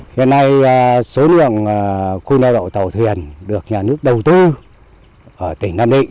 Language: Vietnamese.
hiện nay số lượng khu neo đậu tàu thuyền được nhà nước đầu tư ở tỉnh nam định